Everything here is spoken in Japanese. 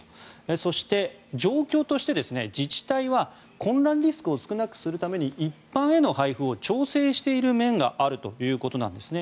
そして状況として、自治体は混乱リスクを少なくするために一般への配布を調整している面があるということです。